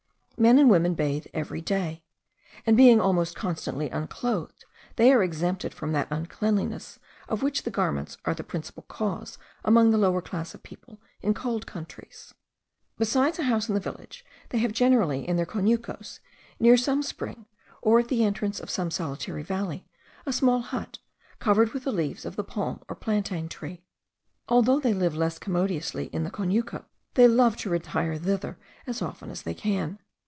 Men and women bathe every day; and being almost constantly unclothed, they are exempted from that uncleanliness, of which the garments are the principal cause among the lower class of people in cold countries. Besides a house in the village, they have generally, in their conucos, near some spring, or at the entrance of some solitary valley, a small hut, covered with the leaves of the palm or plantain tree. Though they live less commodiously in the conuco, they love to retire thither as often as they can.